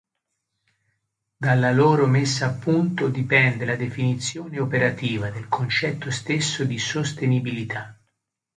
Dalla loro messa a punto dipende la definizione operativa del concetto stesso di sostenibilità.